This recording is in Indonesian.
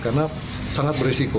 karena sangat berisiko